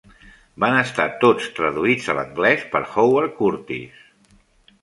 Van estar tots traduïts a l'anglès per Howard Curtis.